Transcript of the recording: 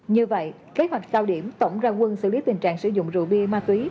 như vậy kế hoạch cao điểm tổng ra quân xử lý tình trạng sử dụng rượu bia ma túy